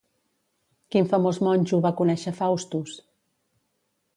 Quin famós monjo va conèixer Faustus?